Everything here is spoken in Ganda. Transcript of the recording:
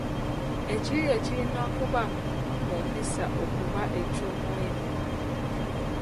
Ekiyiiye kirina kuba ku mpisa okuba eky’omuwendo